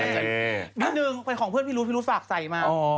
นิดนึงเป็นของเพื่อนพิรุษพี่รุษฝากใส่มา